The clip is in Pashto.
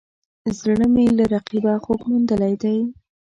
زړه مې له رقیبه خوږ موندلی دی